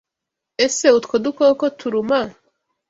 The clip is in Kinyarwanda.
Ese utwo dukoko turuma?